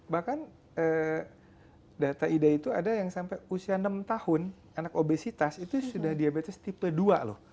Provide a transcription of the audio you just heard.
bahkan data ida itu ada yang sampai usia enam tahun anak obesitas itu sudah diabetes tipe dua loh